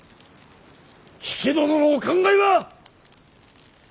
比企殿のお考えは！